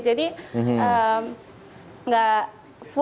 jadi nggak full kayak gitu